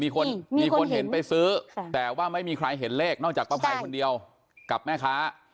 มีคนมีคนเห็นไปซื้อแต่ว่าไม่มีใครเห็นเลขนอกจากป้าภัยคนเดียวกับแม่ค้า